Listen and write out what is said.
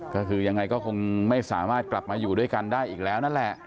ก็คือยังไงก็คงไม่สามารถกลับมาอยู่ด้วยกันได้อีกแล้วนั่นแหละ